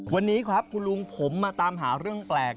วันนี้ครับคุณลุงผมมาตามหาเรื่องแปลก